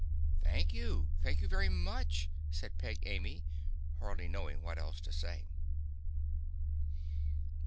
"Thank you! Thank you very much!" said Peg Amy, hardly knowing what else to say.